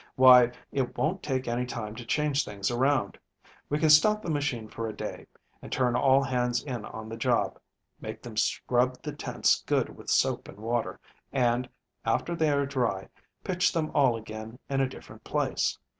"Why, it won't take any time to change things around. We can stop the machine for a day, and turn all hands in on the job, make them scrub the tents good with soap and water, and, after they are dry, pitch them all again in a different place.